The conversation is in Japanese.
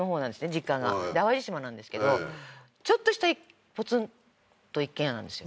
実家がで淡路島なんですけどちょっとしたポツンと一軒家なんですよ